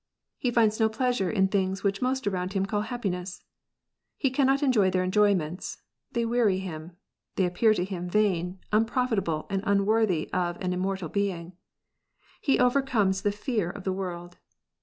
He finds no pleasure in things which most around him call happiness. He cannot enjoy their enjoyments, they weary him, they appear to him vain, unprofitable, and unworthy of an immortal being. He over comes the fear of the world.